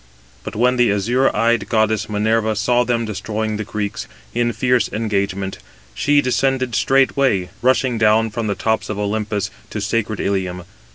But when the azure eyed goddess Minerva saw them destroying the Greeks, in fierce engagement, she descended straightway, rushing down from the tops of Olympus to sacred Ilium.